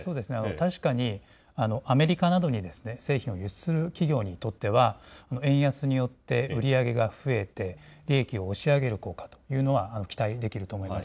確かにアメリカなどに製品を輸出する企業にとっては、円安によって売り上げが増えて、利益を押し上げる効果というのは期待できると思います。